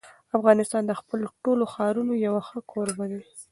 افغانستان د خپلو ټولو ښارونو یو ښه کوربه دی.